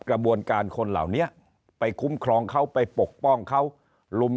กระบวนการคนเหล่านี้ไปคุ้มครองเขาไปปกป้องเขาลุม